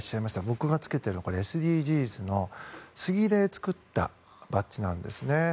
僕が着けてるのがＳＤＧｓのスギで作ったバッジなんですね。